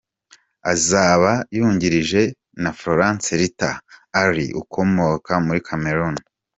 Azaba yungirijwe na Florence Rita Arrey ukomoka muri Cameroun.